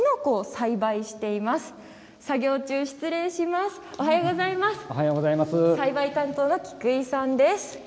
栽培担当の菊井さんです。